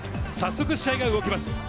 早速試合が動きます。